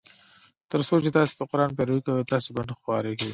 تر څو چي تاسي د قرآن پیروي کوی تاسي به نه خوارېږی.